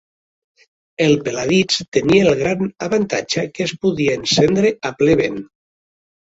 El peladits tenia el gran avantatge que es podia encendre a ple vent